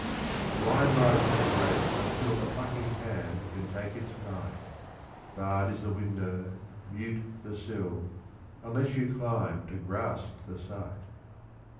The wine lies in the grape until A plucking hand can take its might; Baired is the window, mute the sill. Unless you climb to grasp the sight.